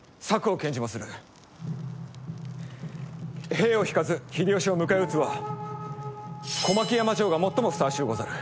兵を引かず秀吉を迎え討つは小牧山城が最もふさわしゅうござる。